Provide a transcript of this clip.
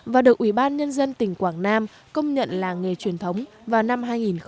và được ủy ban nhân dân tỉnh quảng nam công nhận là nghề truyền thống vào năm hai nghìn một mươi